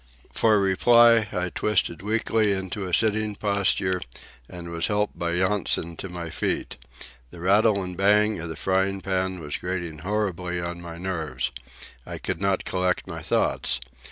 For reply, I twisted weakly into a sitting posture, and was helped by Yonson to my feet. The rattle and bang of the frying pan was grating horribly on my nerves. I could not collect my thoughts.